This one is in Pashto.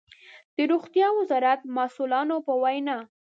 د روغتيا وزارت مسؤلانو په وينا